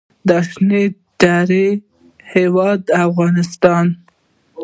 د شنو درو هیواد افغانستان.